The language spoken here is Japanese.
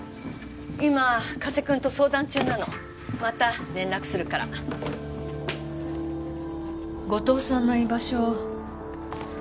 今加瀬君と相談中なのまた連絡するから後藤さんの居場所あ